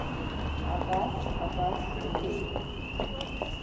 Абас, абас, — иҳәеит.